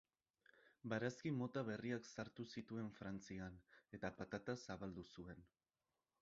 Barazki-mota berriak sartu zituen Frantzian, eta patata zabaldu zuen.